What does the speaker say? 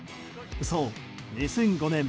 そう、２００５年